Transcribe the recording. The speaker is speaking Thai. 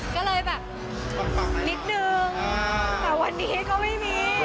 ก็เลยแบบนิดนึงแต่วันนี้ก็ไม่มี